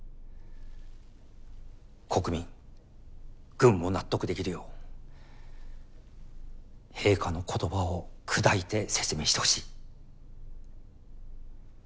国民軍も納得できるよう陛下の言葉を砕いて説明してほしい。